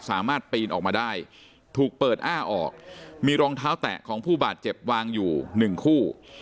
สามารถปีนออกมาได้ถูกเปิดอ้าออกมีรองเท้าแตะของผู้บาดเจ็บวางอยู่หนึ่งคู่